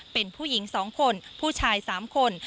เป็นผู้หญิง๒คนผู้ชาย๓คน